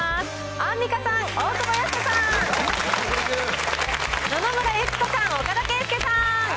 アンミカさん、大久保嘉人さん、野々村友紀子さん、岡田圭右さん。